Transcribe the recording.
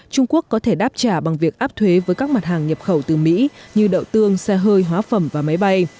trung quốc có thể đáp trả bằng việc áp thuế với các mặt hàng nhập khẩu từ mỹ như đậu tương xe hơi hóa phẩm và máy bay